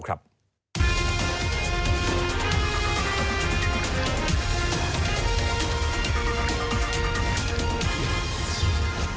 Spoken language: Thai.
โปรดติดตามตอนต่อไป